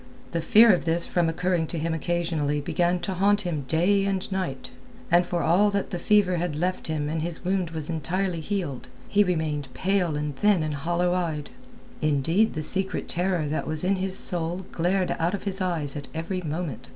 The fear of this from occurring to him occasionally began to haunt him day and night, and for all that the fever had left him and his wound was entirely healed, he remained pale and thin and hollow eyed. Indeed the secret terror that was in his soul glared out of his eyes at every moment.